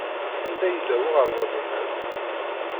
Anda yella uɣerbaz-nnem?